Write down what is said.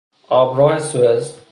آبراه سوئز